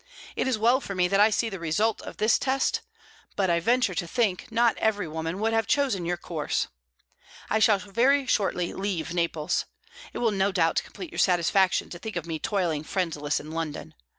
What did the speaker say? It is well for me that I see the result of this test, but, I venture to think, not every woman would have chosen your course. I shall very shortly leave Naples. It will no doubt complete your satisfaction to think of me toiling friendless in London.